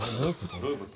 どういうこと？